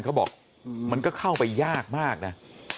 เขาบอกมันก็เข้าไปยากมากนะ